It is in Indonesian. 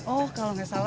oh kalau nggak salah